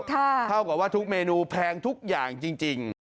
เท่ากับว่าทุกเมนูแพงทุกอย่างจริง